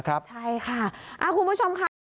ใช่ค่ะคุณผู้ชมค่ะ